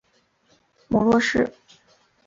母骆氏。